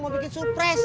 mau bikin surprise